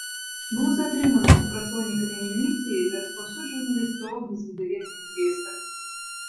Быў затрыманы супрацоўнікамі міліцыі за распаўсюджванне лістовак без выдавецкіх звестак.